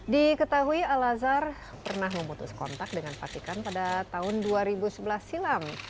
diketahui al azhar pernah memutus kontak dengan fatikan pada tahun dua ribu sebelas silam